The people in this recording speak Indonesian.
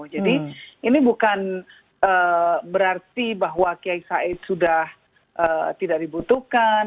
jadi ini bukan berarti bahwa kiai said sudah tidak dibutuhkan